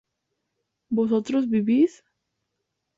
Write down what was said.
¿vosotros vivís?